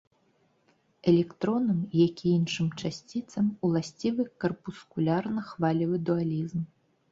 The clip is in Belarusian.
Электронам, як і іншым часціцам, уласцівы карпускулярна-хвалевы дуалізм.